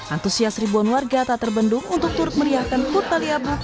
antusias ribuan warga tak terbendung untuk turut meriahkan pulau taliabu